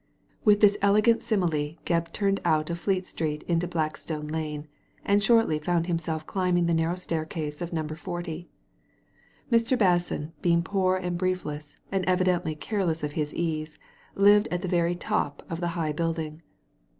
With this elegant simile Grebb turned out of Fleet Street into Blackstone Lane, and shortly found him self climbing the narrow staircase of No. 4a Mr. Basson being poor and briefless, and evidently care less of his ease, lived at the very top of the high building.